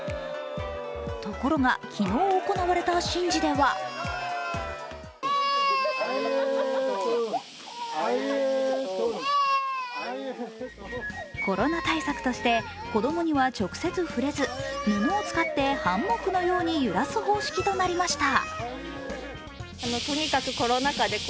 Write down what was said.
ところが昨日、行われた神事ではコロナ対策として子供には直接触れず布を使ってハンモックのように揺らす方式となりました。